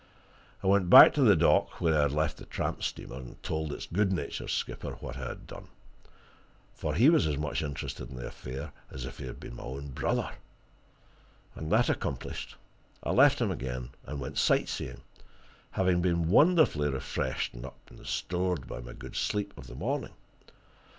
I went back to the dock where I had left the tramp steamer, and told its good natured skipper what I had done, for he was as much interested in the affair as if he had been my own brother. And that accomplished, I left him again and went sight seeing, having been wonderfully freshened up and restored by my good sleep of the morning.